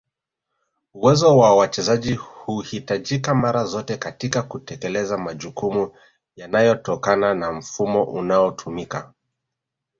Uwezo wa wachezaji huhitajika mara zote katika kutekeleza majukumu yanayotokana na mfumo unaotumika